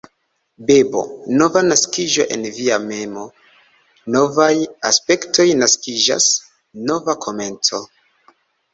Bebo: Nova naskiĝo en via memo; novaj aspektoj naskiĝas; nova komenco.